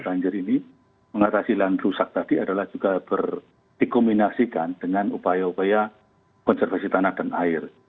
banjir ini mengatasi lahan rusak tadi adalah juga dikombinasikan dengan upaya upaya konservasi tanah dan air